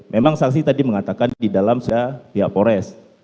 memang saksi tadi mengatakan di dalam sudah pihak fores